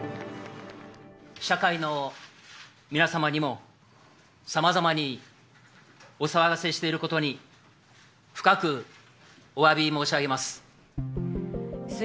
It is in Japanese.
社会の皆様にも、さまざまにお騒がせしていることに、深くおわび申し上げます。